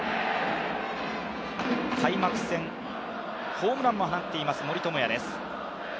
開幕戦、ホームランも放っています森友哉です。